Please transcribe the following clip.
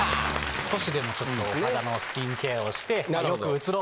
少しでもちょっとお肌のスキンケアをして。